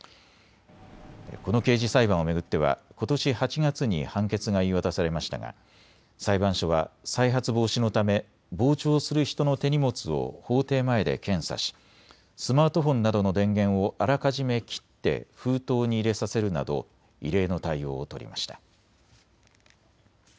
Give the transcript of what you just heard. この刑事裁判を巡ってはことし８月に判決が言い渡されましたが裁判所は再発防止のため傍聴する人の手荷物を法廷前で検査しスマートフォンなどの電源をあらかじめ切って封筒に入れさせるなど異例の対応を取りました。